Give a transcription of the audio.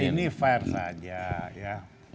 tidak ini fair saja